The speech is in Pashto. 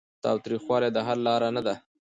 تاوتریخوالی د حل لاره نه ده.